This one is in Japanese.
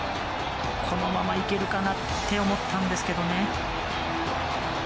このままいけるかなと思ったんですけどね。